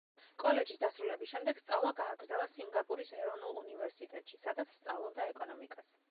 კოლეჯის დასრულების შემდეგ სწავლა გააგრძელა სინგაპურის ეროვნულ უნივერსიტეტში, სადაც სწავლობდა ეკონომიკას.